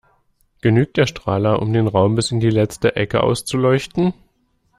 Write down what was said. Genügt der Strahler, um den Raum bis in die letzten Ecken auszuleuchten?